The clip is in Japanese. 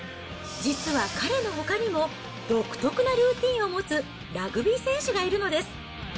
実は彼のほかにも、独特のルーティーンを持つラグビー選手がいるのです。